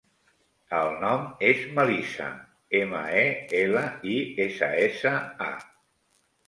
El nom és Melissa: ema, e, ela, i, essa, essa, a.